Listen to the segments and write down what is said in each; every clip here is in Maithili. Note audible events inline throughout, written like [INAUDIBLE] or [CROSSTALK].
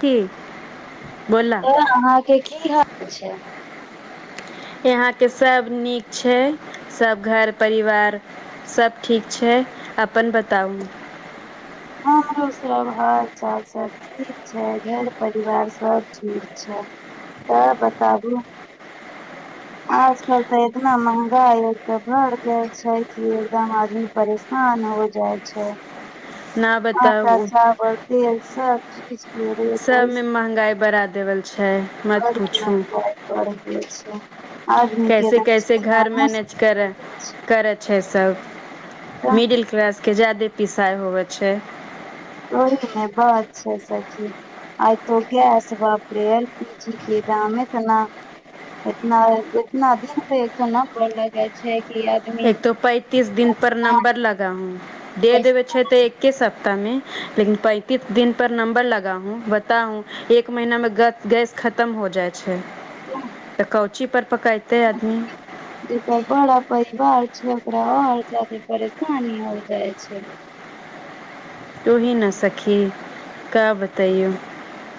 ठीक त अहाँके की हाल छै इहाँके सभ नीक छै सभ घर परिवार सब ठीक छै अपन बताउ हाँ आरो सब हाल चाल सब ठीक छै घर परिवार सब ठीक छै तऽ बताबू आजकल तऽ एतना महंगाइ तऽ बढ़ गेल छै कि एकदम आदमी परेशान हो जाइ छै ना आंटा बताउ चावल तेल सब [INAUDIBLE] सभमे ओहिसे महंगाइ बड़ा देवल छै मत बड़ी पुछू महंगाई बढ़ [UNINTELLIGIBLE] के कैसे एकदम कैसे जीना घर मैनेज करऽ मुश्किल करै छै सभ तऽ मिडिल क्लास के जादे पिसाइ होवै छै ओहि ने बात छै सखी आइ तो गैस बापरे एलपीजी के दाम तऽ इतना इतना दिन पे एक तऽ नहि कॉल लगै छै कि आदमी एक तो पैंतीस दिन पर परेशान, नंबर लगाउँ दे बस देबै छैे तऽ एके सप्- -ताह मे लेकिन पैंतीस दिन पर नंबर लगाउँ बताउ एक महीना मे गैस खतम हो जाइ छै [UNINTELLIGIBLE] चीपर जे पर बड़ा परिवार छै ओकरा आओर ज्यादे परेशानी हो जाइ छै तूही न सखी का बतैयौ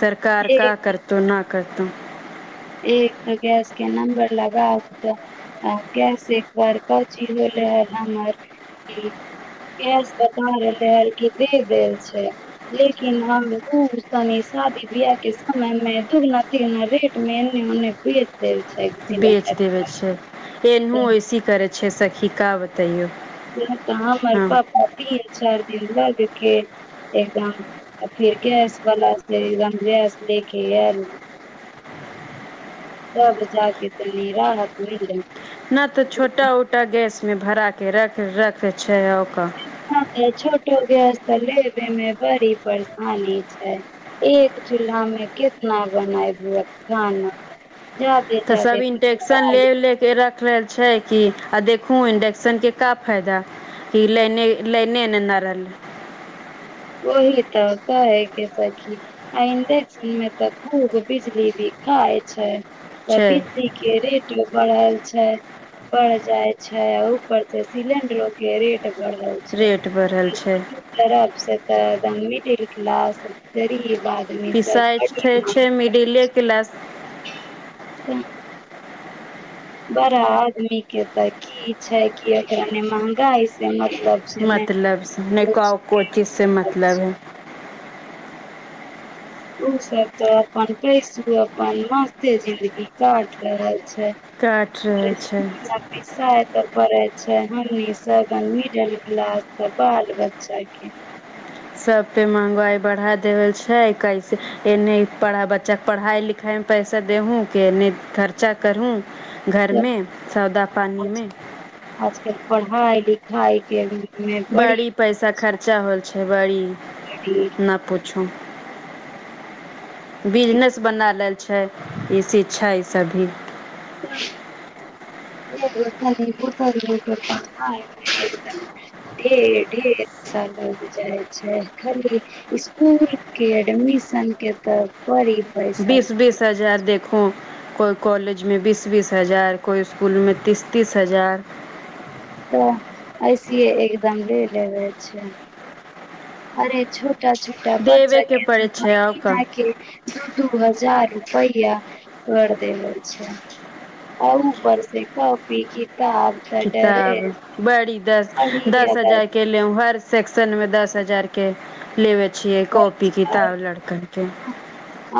सरकार का करतौ ना करतौ तऽ एकटा गैस के नम्बर लगाउ तऽ आ गैस एक बार कौची भेलै हइ हमर इ गैस बता रहले हँ की दे देल छै लेकिन हम दूर तनि शादी बिआह के समय मे दूगुना तिगुना रेट मे इने उने बेच देल छै बेच सिलेंडर देबे छै एन्हु ओइसी करै छै सखी का बतैयो नै तऽ हमर पप्पा तीन चारि दिन लऽ लेत के एकदम फिर गैस वला से एकदम गैस लेके आएल तब जाके तनि राहत मिललै ना तऽ छोटा उटा गैस मे भरा के रख-रखै छै ओका [UNINTELLIGIBLE] छोटो गैस तऽ लेबे मे बड़ी परेशानी छै एक चूल्हा मे कितना बनाइबो खाना जादे तऽ सब जादे इंटेक्शन परिवार ले-ले के रख- -खल छै की आ देखू इंडेक्सन के का फायदा की लाईने लाईने ना रहले ओहि तऽ कहै के सखी आ इंडक्शन मे तऽ खूब बिजली भी खाइ छै तऽ छै बिजली के रेटो बढ़ल छै, पर जाइ छै, ऊपर से सिलेंडरों के रेट बढ़ल छै, रेट बढ़ल छै [UNINTELLIGIBLE] खराब से तऽ द मिडिल क्लास जरी [UNINTELLIGIBLE] पिसैत छै मिडिले क्लास छै। बड़ा आदमी के तऽ की छै कि अ [UNINTELLIGIBLE] महगाई से म मतलब स नहि क को चीज से मतलब है। ओ सब तऽ अपन पैसो, अपन मस्त जिन्दगी काटलक। से काट रहल छै [UNINTELLIGIBLE] पिसा तऽ पड़े। छै, हमनी सबन मिडल क्लास [UNINTELLIGIBLE] बाल बच्चा के सब पे महंगाइ बढ़ा देल छै, कैसे इने पढ़ा बच्चाके पढ़ाई लिखाई मे पैसा देहूँ कि इने खर्चा करूँ। त आज में आजकल पढ़ा लि खाए के भी बड़ी पैसा खर्चा होय छै बड़ी, नहि पूछू। बिजनेस बना लेल छै, ए सी छै सभी [UNINTELLIGIBLE] ढेर ढेर सारा जाइ छै, खाली इसकुल के एडमिशन के तऽ बड़ी पैसा बीस-बीस हजार दे ओ कोइ कॉलेजमे बीस-बीस हजार, कोइ इसकुलमे तीस-तीस हजार तऽ ऐसि एकदम ले लेबै छै अरे छो छोटा देबे के बच्चाक पड़ै माय छै आउ गे का माय गेल दू-दू हजार पहिआ कर देबै छै आ ऊ पर स काँपी की किताब बड़ी दस दस हजार के ले हर सेक्शन मे दस हजार के के लेबे छियै कॉपी किताब लड़कन के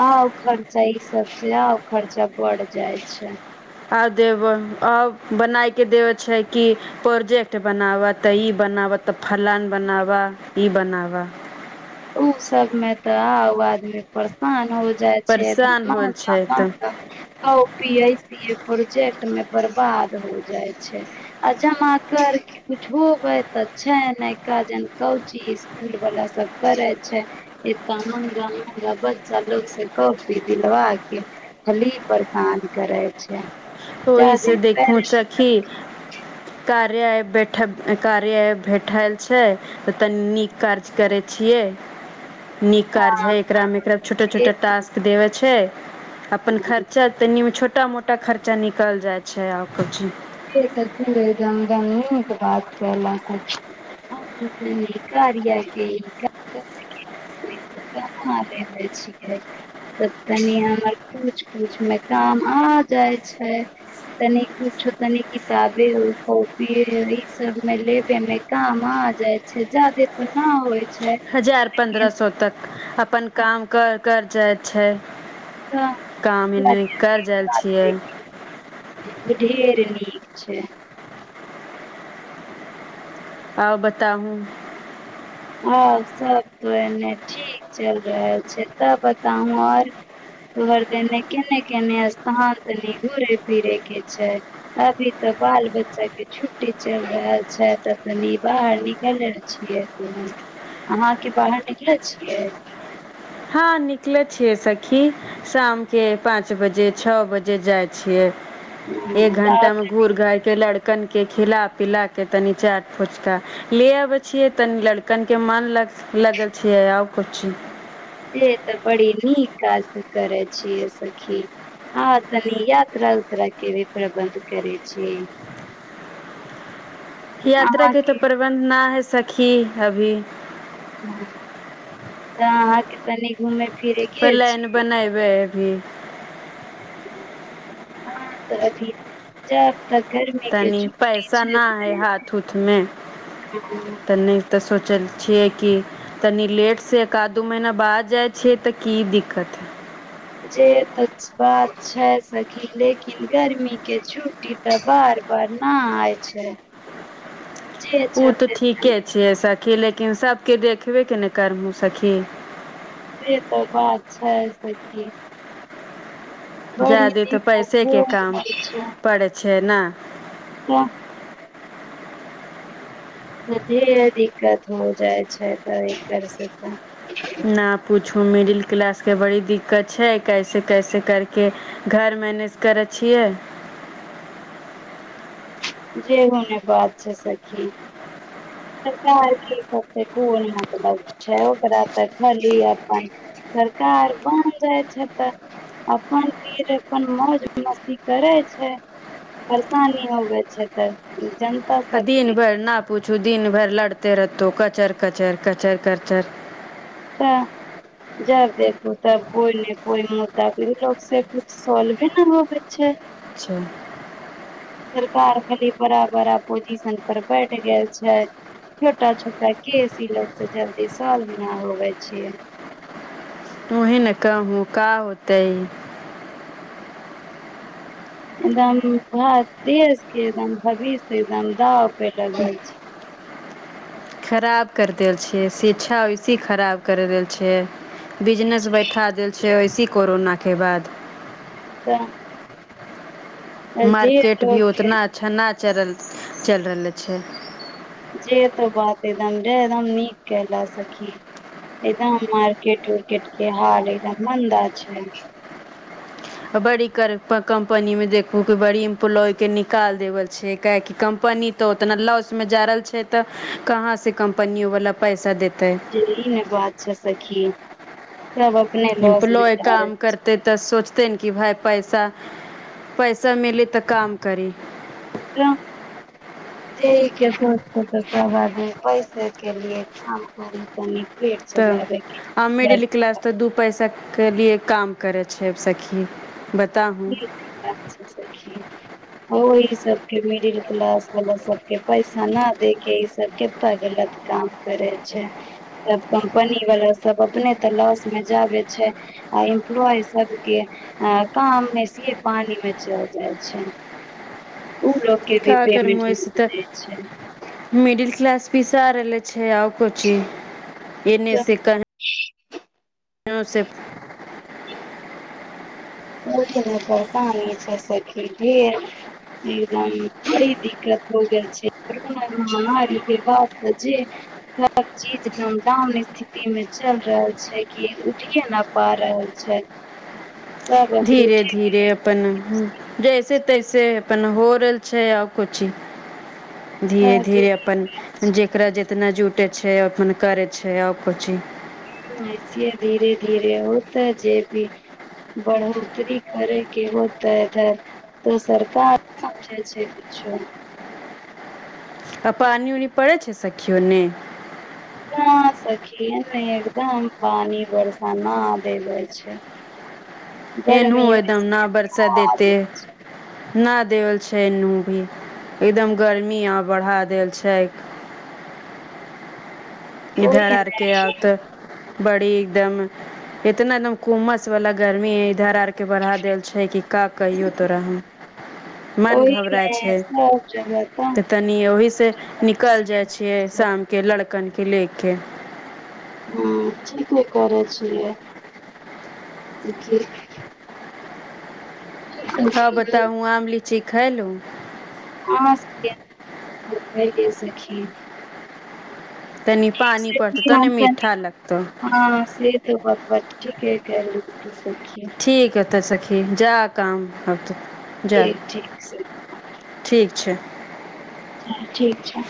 आउ खर्चा ई सबाबसँ आउ खर्चा पड़ जाइ छै आ देबह आब बनायके देबै छै कि प्रोजेक्ट बनाबह तऽ ई बनाबह तऽ फलान बनाबह ई बनाबह ओ सबमे तऽ आउ आदमी परेशान हो छै परेशान होल छै तऽ काँपी इ प्रोजेक्ट में बर्बाद हो जाय छै आ जमा कर कुछ होबे तऽ छै नै का। जन कौची स्कूल वाला सब करे छै एत्त महंगा- महंगा बच्चा लोग से काँपी दिलवा के खली परेशान करे छै ओहिसँ जादे देखू पेरेंट्स सखी कार्य आइ बैठब कार्या आइ भेठाइल छै तऽ तनी नीक कार्य करै छियै नीक कारज हँ है एकरा में एकरा छोटा छोटा टास्क देवै छै अपन हँ खर्चा त छ मोटा मोटा खर्च- -चा निकल जाइ छै आओर कछु [UNINTELLIGIBLE] तनि हमर कुछ कुछ मे काम आ जाइ छै तनि कुछो नतनि किताबे कॉपी यही सब मे लेबे मे काम आ जाइ छै ज्यादे ते न आबैय हजार पन्द्रह सौ तक अपन काम कर कर जाइ छै काम एने कर जाइ छियै [UNINTELLIGIBLE] छै आउ बताउू आओर सब तो एने ठीक चल रहल छै तब बताहूँ आओर तोहर देने केने केने स्थान तनि घूरे फिरे के छै अभी तऽ बाल बच्चा के छुट्टी चल रहल छै तऽ तनी बाहर निकलल छियै हूँ अहाँके बाहर निकलल छियै हँ निकलै छियै सखी शामके पाँच बजे छअ बजे जाइ छियै एक घंटा मे घूर-घार के लड़- कनके खिला पीला के तनि चाट फोचका ले अबै छियै तनि लड़कन के मान लग- -लगल छियै आब को चीज से तऽ बड़ी नीक काज तू करै छियै सखी हँ तनि यात्रा उतरा के प्रबन्ध करै छियै यात्रा के तऽ प्रबन्ध ना हस सखी अभी तऽ अहाँके तनि घूमे फिरे गेल प्लान छी बनेबै हूँ हँ तऽ अभी जायब तनि पैसा ना हय हाथ उूथमे छै तऽ नहि तऽ सो- -चल छियै की तनि लेटसँ एक आध दू महीना बाद जाइ छियै तऽ की दिक्कत हइ जे तऽ बात छै सखी लेकिन गर्मीके छुट्टी तऽ बार बार न आइ छै जे ओ तऽ चलते ठीके तनी छै स- के लेकिन सभके देखबेके न करबहुँ सखी से तऽ बात छै सखी बड़ी ज्यादे तऽ दिक्कत पैसे हो के काम जाइ छै पड़ै छै हइ ना [UNINTELLIGIBLE] जे दिक्कत हो जाइ छै तऽ ई एकर ना पुछू मिडिल क्लास के बड़ी दिक्कत छै कैसे कैसे करके घर मैनेज करै छियै जेही ने बात छै सखी सरकार के इ सब से कोन मतलब छै ओकरा तऽ खाली अपन सरकार बन जाइ छै तऽ अपन फिर अपन मौज मस्ती करै छै परेशानी होबे अच्छा तऽ आ दिन भरि न पुछू दिन भरि लड़ते रहतौ कचर कचर कचर कचर तऽ जब देखू तब कोइ ने कोइ मुद्दा ई लोक से कुछ सॉल्वे न होबै छै छै सरकार खाली बड़ा बड़ा पोजिशन पर बैठ गेल छै छोटा छोटा केस ई लोग से जल्दी सॉल्व न हो करै छियै तू ही न कहूँ का होतै एकदम भ देशके एकदम भविष्य एकदम दाव पे लगल खराब कर देल छियै शिक्षा वैसे ही खराब कर देल छियै बिजनेस बैठा देल छियै ऐसे कोरोना के बाद तऽ जे मार्केट भी लोक उतना अच्छा न चलल चलि रहले छै जे तो बात एकदम रे एकदम नीक केहला सखी एकदम मार्केट उर्केट के हाल एकदम मन्दा छै बड़ी कर-कम्पनी मे देखू की बड़ी एम्प्लॉय के निकाल देवल छै काहेकि कम्पनी तऽ उतना लॉस मे जा रहल छै तऽ कहाँ से कम्पनी वाला पैसा देते जे ई ने बात छै सखी सब अपने लॉस मे इम्पलोए जा रहे काम करतै तऽ सोचते की भाई पैसा पैसा मिली तऽ काम करी त के सोचते तऽ त सब आदमी पैसे के लिए काम करै तनि तऽ आ मिडल क्लास तऽ दू पैसा तक के लिए काम करै छै सखी ब- ठीके बात छै सखी ओई सब मिडिल क्लास वला सबके पैसा न दे के ई सब कते गलत काम करै छै सब कम्पनी वला सब अपने तऽ लॉस मे जाबे छै आ इम्प्लॉई सब के आ काम मे से पानि मे चल जाइ छै उ लोग के भी का कर पेमेंट नै मोयस तऽ दै छै मिडिल क्लास पिसा रहले छै छै आ कोची एने त से कन [UNINTELLIGIBLE] बड़ी न परेशानी छै सखी ढेर एकदम बड़ी दिक्कत हो गेल छै कोरोना महामारीक के बाद त जे सभ चीज एकदम डाउन स्थितिमे चलि रहल छै की उठिए नहि पा रहल छै सब अभी धीरे उठे धीरे के अपन जैस कैसे तैसे अपन हो रहल छै आ कोची धीरे धीरे अपन जेकरा जे ओतना जुटै छै अपन करै छै आओर को चीज ऐस धीरे धीरे होत जे भी बढ़ोतरी करै के होतै धर तऽ सरकार समझे छै कुछो आ पानि उऊनी पड़ै छै सखी ओन्ने न सखी एन्ने एकदम पानी वर्षा न देले छै एनहूँ गर्मी एकदम न बरसा देते ना देवल छै एनू भी एकदम गर्मी आ बढ़ा देल छै इधर आरके आब ओहिमे तऽ बड़ी एकदम इतना एकदम घुमस वाला गर्मी है इधर आर के बढ़ा देल छै की का कहियौ तोरा हम मन घबराय ओहिमे छै सब जगह तंग त तनि ओहि से निकल जाइ छियै शाम के ल- लेके हँ ठीके करै छियै हँ बताबूं आम लीची खेलू अहाँ सबके [UNINTELLIGIBLE] तनि ठीक पानि पड़तौ सखी त हम न कनि मीठा लगतौ हँ से तऽ बतबा ठीके कहलियै सखी ठीक ह तऽ सखी जा काम जा ठीक ठीक छै ठीक छै ठीक छै